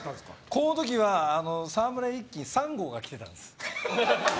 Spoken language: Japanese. この時は沢村一樹３号が来てたんです。